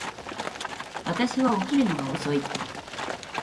私は起きるのが遅い